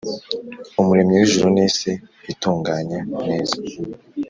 Umuremyi w ijuru n isi itunganye neza